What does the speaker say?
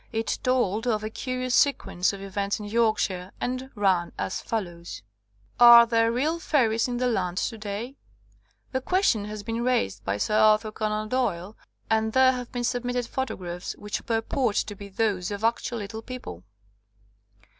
It told of a curious sequence of events in Yorkshire, and ran as follows : Are there real fairies in the land to day? 73 THE COMING OF THE FAIRIES The question has been raised by Sir Arthur Conan Doyle, and there have been sub mitted photographs which purport to be those of actual 'little people.'